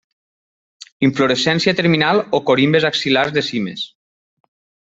Inflorescència terminal o corimbes axil·lars de cimes.